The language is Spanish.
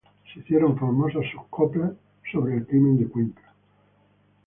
Se hicieron famosas sus coplas sobre el Crimen de Cuenca.